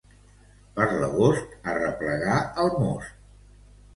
Per l'agost, a replegar el most.